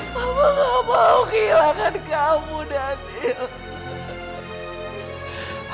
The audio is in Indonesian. mama gak mau kehilangan kamu daniel